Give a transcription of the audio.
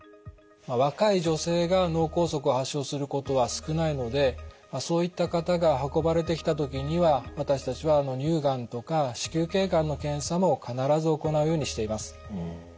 若い女性が脳梗塞を発症することは少ないのでそういった方が運ばれてきた時には私たちは乳がんとか子宮頸がんの検査も必ず行うようにしています。